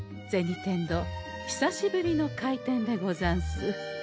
天堂久しぶりの開店でござんす。